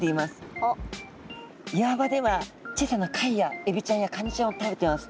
岩場では小さな貝やエビちゃんやカニちゃんを食べてます。